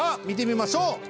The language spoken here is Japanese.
見てみましょう。